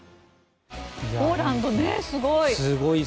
ポーランドすごい。